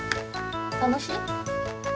たのしい？